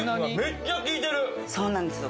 そうなんですよ